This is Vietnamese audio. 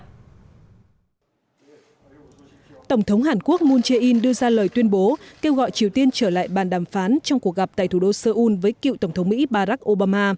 liên quan đến tình hình căng thẳng trên bán đảo triều tiên tổng thống hàn quốc moon jae in vừa kêu gọi triều tiên trở lại bàn đàm phán đồng thời tuyên bố rằng đây là cơ hội cuối cùng để bình nhưỡng làm như vậy